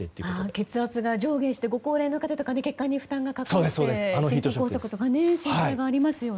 血圧が上下してご高齢の方とか血管に負担がかかって心筋梗塞とかの心配がありますよね。